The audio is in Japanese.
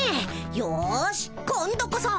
よし今度こそ。